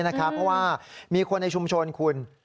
เพราะว่ามีคนในชุมชนคุณ